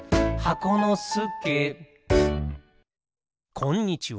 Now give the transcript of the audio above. こんにちは。